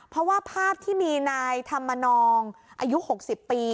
เพราะว่าภาพที่มีนายธรรมนองอายุ๖๐ปี